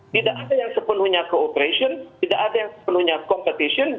tidak ada yang sepenuhnya cooperation tidak ada yang sepenuhnya competition